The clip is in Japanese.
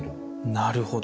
なるほど。